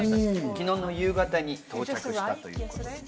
昨日の夕方に到着したということです。